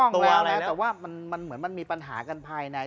ตัวแล้วแต่ว่ามันเหมือนมันมีปัญหากันภายใน